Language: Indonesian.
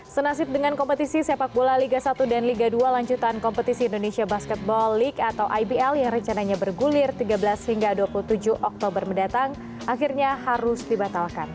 senasib dengan kompetisi sepak bola liga satu dan liga dua lanjutan kompetisi indonesia basketball league atau ibl yang rencananya bergulir tiga belas hingga dua puluh tujuh oktober mendatang akhirnya harus dibatalkan